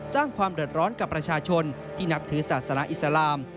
สร้างความเดือดร้อนกับประชาชนที่นับถือศาสนาอิสลาม